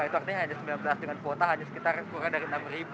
itu artinya hanya sembilan belas dengan kuota hanya sekitar kurang dari enam